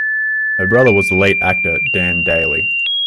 Her brother was the late actor Dan Dailey.